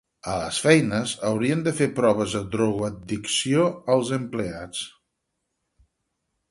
A les feines haurien de fer proves de drogoaddicció als empleats.